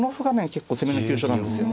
結構攻めの急所なんですよ。